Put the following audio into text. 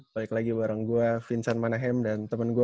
balik lagi bareng gue vincent manahem dan temen gue